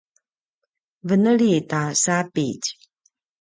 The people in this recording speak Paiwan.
veneli ta sapitj